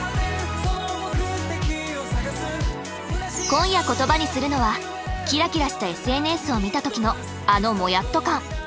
今夜言葉にするのはキラキラしたＳＮＳを見た時のあのもやっと感。